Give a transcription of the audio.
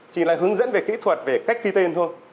chỉ là hướng dẫn về kỹ thuật về cách ghi tên thôi